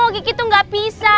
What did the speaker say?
kiki tuh ga bisa